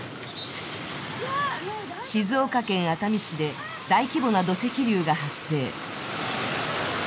静岡県熱海市で大規模な土石流が発生。